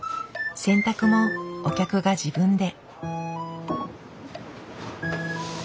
洗濯もお客が自分で。